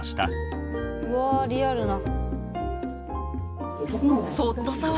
うわリアルな。